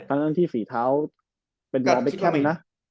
ตั้งแต่ที่ศรีเท้าเป็นรอเบ็กแคมป์นะ